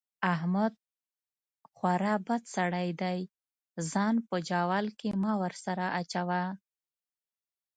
احمد خورا بد سړی دی؛ ځان په جوال کې مه ور سره اچوه.